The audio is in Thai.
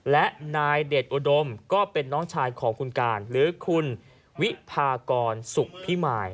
และนายเดชอุดมก็เป็นน้องชายของคุณการหรือคุณวิพากรสุขพิมาย